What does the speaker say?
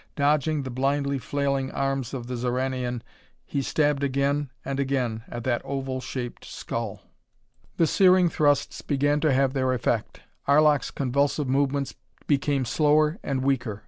Dodging the blindly flailing arms of the Xoranian, he stabbed again and again at that oval shaped skull. The searing thrusts began to have their effect. Arlok's convulsive movements became slower and weaker.